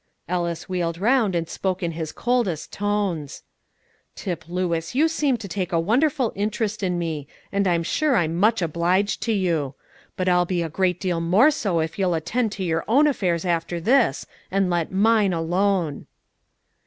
Ellis wheeled around, and spoke in his coldest tone: "Tip Lewis, you seem to take a wonderful interest in me, and I'm sure I'm much obliged to you; but I'll be a great deal more so if you'll attend to your own affairs after this, and let mine alone."